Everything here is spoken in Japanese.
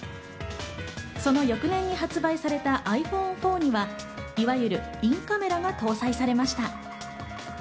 その翌年に発売されたｉＰｈｏｎｅ４にはいわゆるインカメラが搭載されました。